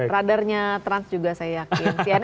radarnya trans juga saya yakin